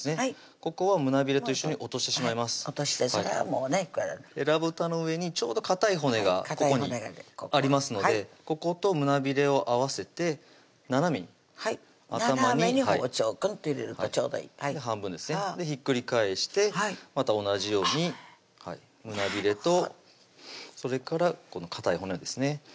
ここは胸びれと一緒に落としてしまいます落としてそれはもうねえらぶたの上にちょうどかたい骨がここにありますのでここと胸びれを合わせて斜めに斜めに包丁クンっと入れるとちょうどいい半分ですねひっくり返してまた同じように胸びれとそれからこのかたい骨ですね